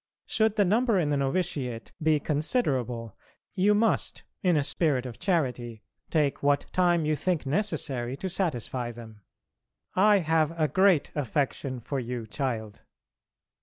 Should the number in the novitiate be considerable you must, in a spirit of charity, take what time you think necessary to satisfy them. I have a great affection for you, child.